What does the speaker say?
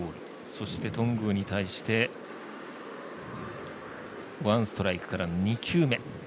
そして頓宮に対してワンストライクから２球目。